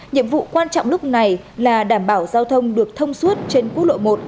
nhiệm vụ quan trọng lúc này là đảm bảo giao thông được thông suốt trên quốc lộ một